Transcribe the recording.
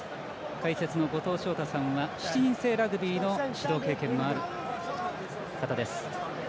解説の後藤翔太さんは７人制ラグビーの経験もある方です。